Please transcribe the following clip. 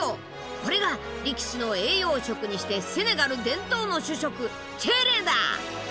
これが力士の栄養食にしてセネガル伝統の主食チェレだ！